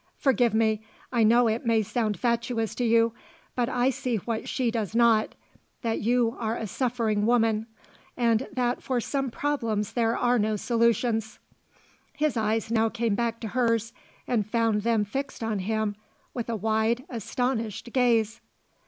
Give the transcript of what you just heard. Forgive me, I know it may sound fatuous to you, but I see what she does not see, that you are a suffering woman, and that for some problems there are no solutions." His eyes now came back to hers and found them fixed on him with a wide astonished gaze.